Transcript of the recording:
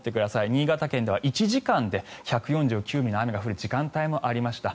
新潟県では１時間で１４９ミリの雨が降る時間帯もありました。